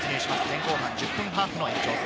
前後半１０分ハーフの延長戦。